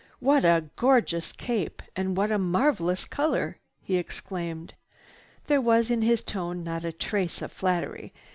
"What a gorgeous cape, and what marvelous color!" he exclaimed. There was in his tone not a trace of flattery.